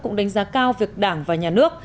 cũng đánh giá cao việc đảng và nhà nước